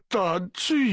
つい。